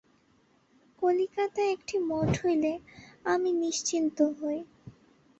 কলিকাতায় একটি মঠ হইলে আমি নিশ্চিন্ত হই।